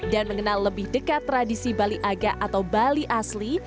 dan mengenal lebih dekat tradisi bali aga atau bali asli